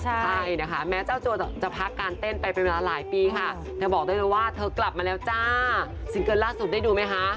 ใช่นะคะแม้เจ้าตัวจะพักการเต้นไปเป็นเวลาหลายปีค่ะเธอบอกได้เลยว่าเธอกลับมาแล้วจ้าซิงเกิลล่าสุดได้ดูไหมคะ